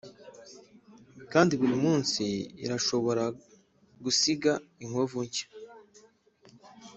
kandi burimunsi irashobora gusiga inkovu nshya.